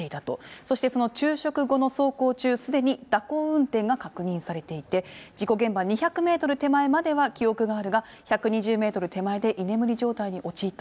そしてその昼食後の走行中、すでに蛇行運転が確認されていて、事故現場２００メートル手前までは記憶があるが、１２０メートル手前で、居眠り状態に陥った。